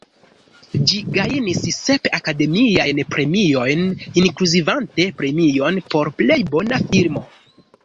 Ĝi gajnis sep Akademiajn Premiojn, inkluzivante premion por plej bona filmo.